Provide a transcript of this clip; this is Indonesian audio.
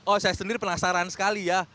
oh saya sendiri penasaran sekali ya